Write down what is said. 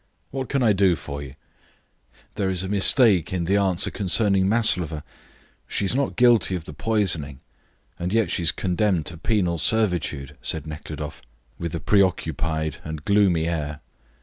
"What can I do for you?" "There is a mistake in the answer concerning Maslova. She is not guilty of the poisoning and yet she is condemned to penal servitude," said Nekhludoff, with a preoccupied and gloomy air.